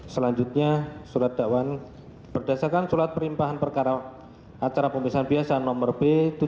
selanjutnya surat dakwan berdasarkan surat perimpahan perkara acara pemisahan biasa nomor b tujuh ratus lima puluh satu sepuluh